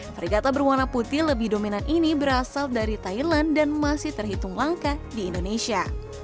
frigata berwarna putih lebih dominan ini berasal dari thailand dan masih terhitung langka di indonesia